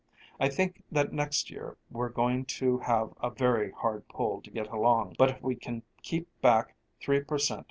I think that next year we're going to have a very hard pull to get along, but if we can keep back three per cent.